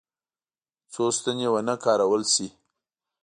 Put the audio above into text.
څو ستنې ونه کارول شي.